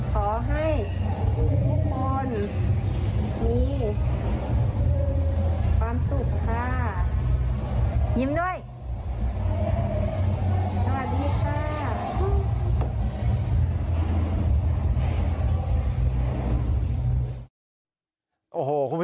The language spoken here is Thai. ขอให้ทุกคนมีความสุขค่ะ